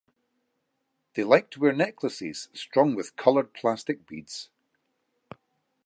They like to wear necklaces strung with colored plastic beads.